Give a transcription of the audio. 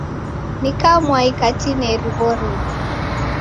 Ni kamwai katineri w'oruw'u.